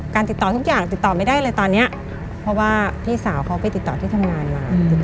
ติดต่อทุกอย่างติดต่อไม่ได้เลยตอนนี้เพราะว่าพี่สาวเขาไปติดต่อที่ทำงานมา